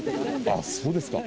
あっ、そうですか。